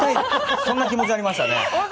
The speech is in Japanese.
そんな気持ちになりましたね。